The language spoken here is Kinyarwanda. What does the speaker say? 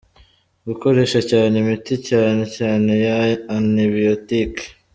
Gukoresha cyane imiti cyane cyane ya antibiyotike.